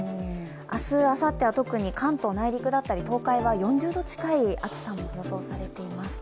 明日あさっては特に関東内陸だったり東海は４０度近い暑さも予想されています。